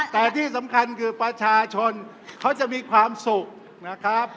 แต่ที่สำคัญคือประชาชนเขาจะมีความสุขนะครับ